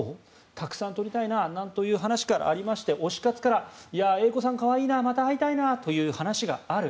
たくさん撮りたいななんていう話がありまして推しからＡ子さん可愛いなまた会いたいなという話がある。